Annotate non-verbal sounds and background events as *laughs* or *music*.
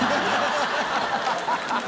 ハハハ *laughs*